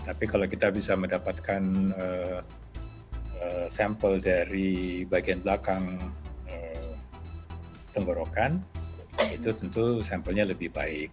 tapi kalau kita bisa mendapatkan sampel dari bagian belakang tenggorokan itu tentu sampelnya lebih baik